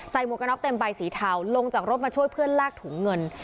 หมวกกระน็อกเต็มใบสีเทาลงจากรถมาช่วยเพื่อนลากถุงเงิน